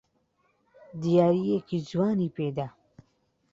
دیارییەکی جوانی پێ دا.